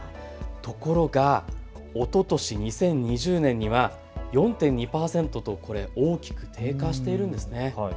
ところが、おととし２０２０年には４．２％と大きく低下しているんですね。